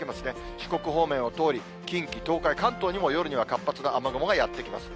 四国方面を通り、近畿、東海、関東にも夜には活発な雨雲がやって来ます。